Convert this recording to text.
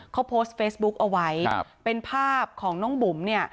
เขาโพสต์เฟซบุ๊กเอาไว้ครับเป็นภาพของน้องบุ๋มเนี่ย